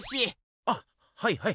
あっはいはい。